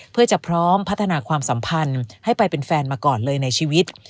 เพื่อจะพร้อมพัฒนาความสัมพันธ์ให้ไปเป็นแฟนมาก่อนเลยในชีวิต